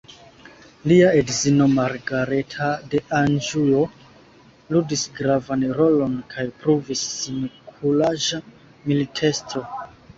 Lia edzino Margareta de Anĵuo ludis gravan rolon kaj pruvis sin kuraĝa militestro.